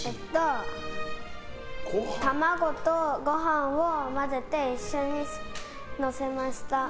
卵とご飯を混ぜて一緒にのせました。